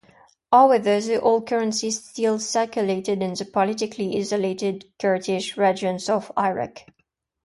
However, the old currency still circulated in the politically isolated Kurdish regions of Iraq.